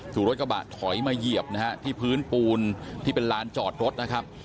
ถูกรถกระบะถอยมาเหยียบนะฮะที่พื้นปูนที่เป็นลานจอดรถนะครับ